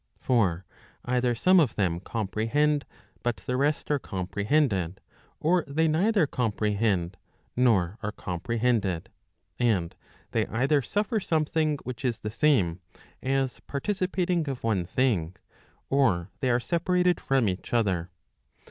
For either some of them comprehend, but the rest are comprehended, or they neither comprehend, nor are comprehended. And they either suffer something which is the same, as participating of one thing, or they are separated from each other.